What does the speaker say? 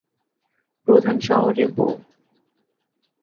প্রধান শহরে বো।